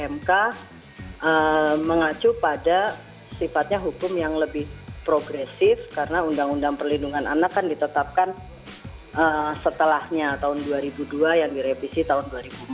mk mengacu pada sifatnya hukum yang lebih progresif karena undang undang perlindungan anak kan ditetapkan setelahnya tahun dua ribu dua yang direvisi tahun dua ribu empat